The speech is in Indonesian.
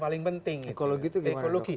paling penting ekologi itu ekologi